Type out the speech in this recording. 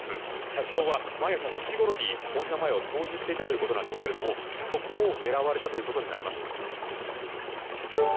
社長は毎朝７時ごろに本社前を掃除していたということなんですがそこを狙われたということになります。